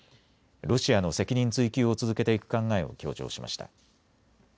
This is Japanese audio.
ロシアの責任追及を続けていく考えを強調しました。